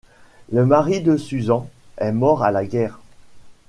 Le mari de Susan est mort à la guerre.